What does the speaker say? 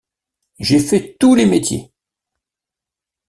J’ai fait tous les métiers!...